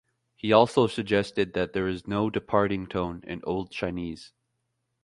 He also suggested that there is no departing tone in Old Chinese.